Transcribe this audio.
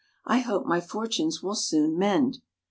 " I hope my fortunes will soon mend."